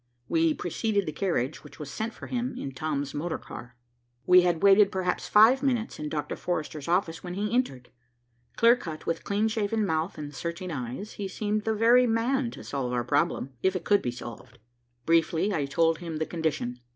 We preceded the carriage which was sent for him, in Tom's motor car. We had waited perhaps five minutes in Dr. Forrester's office, when he entered. Clear cut, with clean shaven mouth and searching eyes, he seemed the very man to solve our problem, if it could be solved. Briefly I told him the condition.